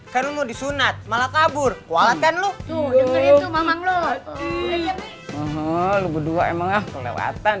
karena mau disunat malah kabur kuala tenlu itu memang lo lho lu berdua emang kelewatan